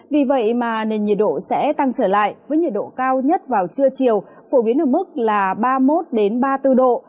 vì vậy mà nền nhiệt độ sẽ tăng trở lại với nhiệt độ cao nhất vào trưa chiều phổ biến ở mức là ba mươi một ba mươi bốn độ